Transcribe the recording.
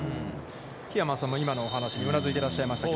桧山さんも今のお話にうなずいていらっしゃいましたが。